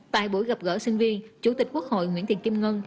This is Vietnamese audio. tại buổi gặp gỡ sinh viên chủ tịch quốc hội nguyễn thị kim ngân